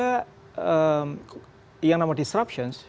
pemerintah yang mengintervensi